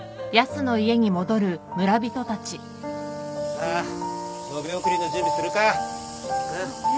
さあ野辺送りの準備するか。